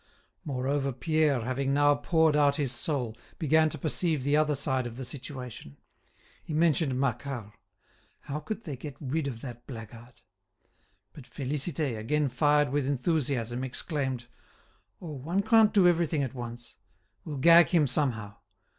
Moreover, Pierre, having now poured out his soul, began to perceive the other side of the situation. He mentioned Macquart. How could they get rid of that blackguard? But Félicité, again fired with enthusiasm, exclaimed: "Oh! one can't do everything at once. We'll gag him, somehow.